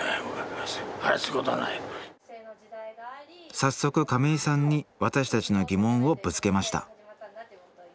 早速亀井さんに私たちの疑問をぶつけました